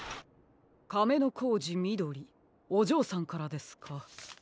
「かめのこうじみどり」おじょうさんからですか。